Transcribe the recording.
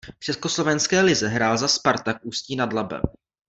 V československé lize hrál za Spartak Ústí nad Labem.